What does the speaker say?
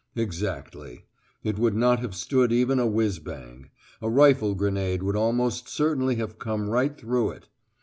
Exactly. It would not have stood even a whizz bang. A rifle grenade would almost certainly have come right through it.